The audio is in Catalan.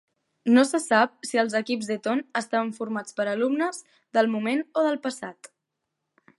No se sap si els equips d'Eton estaven formats per alumnes del moment o del passat.